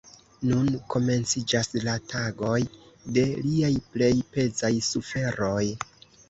Nun komenciĝas la tagoj de liaj plej pezaj suferoj.